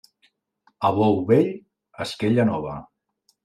A bou vell, esquella nova.